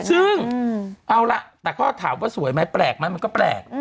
ซึ่งเอาล่ะแต่ก็ถามว่าสวยไหมแปลกไหมมันก็แปลก